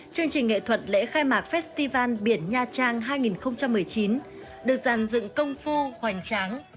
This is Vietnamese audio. chương trình nghệ thuật lễ khai mạc festival biển nha trang hai nghìn một mươi chín được giàn dựng công phu hoành tráng